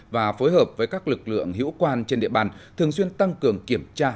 và phối hợp với các lực lượng hữu quan trên địa bàn thường xuyên tăng cường kiểm tra